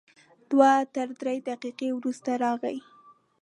دوه تر درې دقیقې وروسته راغی.